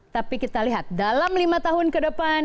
tapi kita lihat dalam lima tahun ke depan